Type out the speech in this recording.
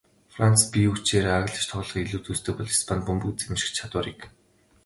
Францад биеийн хүчээр ааглаж тоглохыг илүүд үздэг бол Испанид бөмбөг эзэмших чадварыг чухалчилдаг.